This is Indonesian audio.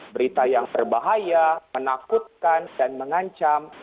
berita yang berbahaya menakutkan dan mengancam